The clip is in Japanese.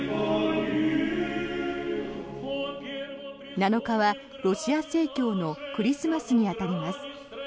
７日はロシア正教のクリスマスに当たります。